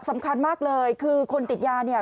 สำคัญมากเลยคือคนติดยาเนี่ย